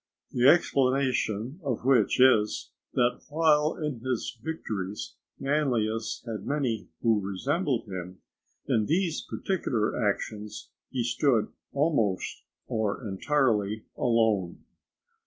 The explanation of which is, that while in his victories Manlius had many who resembled him, in these particular actions he stood almost or entirely alone.